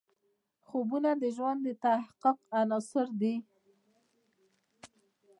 خوبونه د ژوند د تحقق عناصر دي.